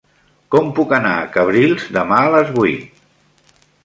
Com puc anar a Cabrils demà a les vuit?